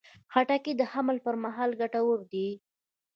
خټکی د حمل پر مهال ګټور دی.